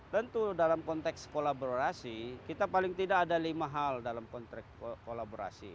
tentu dalam konteks kolaborasi kita paling tidak ada lima hal dalam konteks kolaborasi